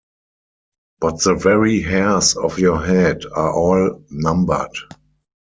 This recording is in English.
But the very hairs of your head are all numbered.